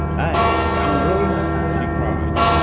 "Die, scoundrel!" she cried.